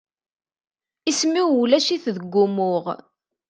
Isem-iw ulac-it deg umuɣ.